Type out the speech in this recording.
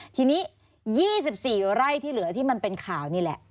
ทีนี้๒๔ไร่ที่เหลือที่มันเป็นข่าวนี่แหละ